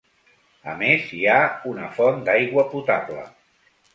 A més, hi ha una font d’aigua potable.